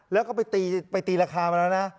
แล้วก็ไปตีราคามาแล้วนะ